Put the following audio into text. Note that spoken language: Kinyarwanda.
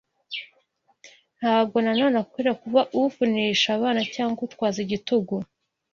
ntabwo nanone akwiriye kuba uvunisha abana cyangwa utwaza igitugu